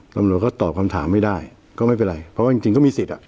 ตำรวจก็ตอบคำถามไม่ได้ก็ไม่เป็นไรเพราะว่าจริงจริงก็มีสิทธิ์อ่ะ